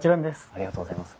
ありがとうございます。